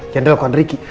yang dilakukan ricky